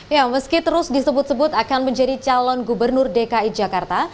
ya meski terus disebut sebut akan menjadi calon gubernur dki jakarta